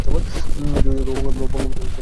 এটি বঙ্গবন্ধুর প্রথম চীন সফর।